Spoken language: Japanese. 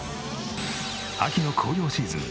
秋の紅葉シーズン